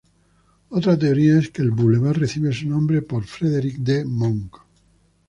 Otra teoría, es que el boulevard recibe su nombre por Frederick D. Monk.